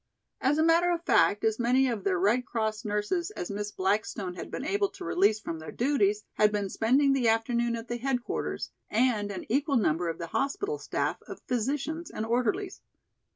As a matter of fact as many of their Red Cross nurses as Miss Blackstone had been able to release from their duties had been spending the afternoon at the headquarters and an equal number of the hospital staff of physicians and orderlies.